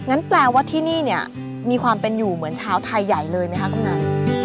งั้นแปลว่าที่นี่มีความเป็นอยู่เหมือนชาวไทยใหญ่เลยไหมคะคุณงาน